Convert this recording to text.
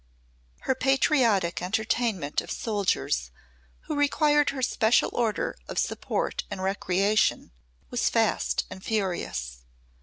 Her patriotic entertainment of soldiers who required her special order of support and recreation was fast and furious.